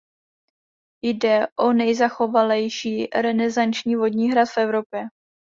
Jde o nejzachovalejší renesanční vodní hrad v Evropě.